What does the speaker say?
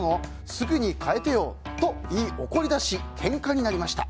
すぐに替えてよと言い怒り出し、けんかになりました。